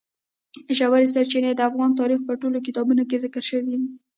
ژورې سرچینې د افغان تاریخ په ټولو کتابونو کې ذکر شوي دي.